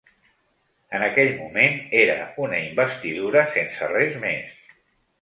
En aquell moment era una investidura sense res més.